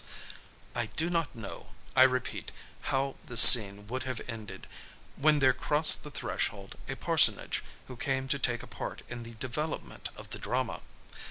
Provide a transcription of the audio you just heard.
I do not know, I repeat, how this scene would have ended, when there crossed the threshold a parsonage who came to take a part in the development of the drama.